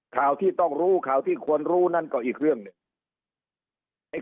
ข่าวที่ต้องรู้ข่าวที่ควรรู้นั่นก็อีกเรื่องหนึ่งไอ้